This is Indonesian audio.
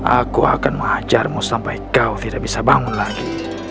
aku akan mengajarmu sampai kau tidak bisa bangun lagi